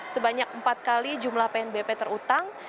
sebanyak empat kali jumlah pnbp terutang